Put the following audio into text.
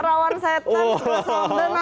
rawan setan gua sambel